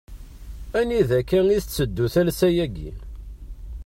Anida akka i tetteddu talsa-agi.?